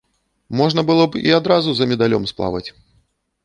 Можна было б і адразу за медалём сплаваць.